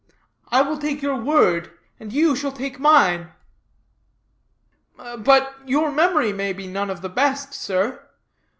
I will take your word, and you shall take mine." "But your memory may be none of the best, sir.